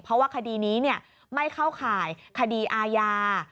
เพราะว่าคดีนี้ไม่เข้าข่ายคดีอาญา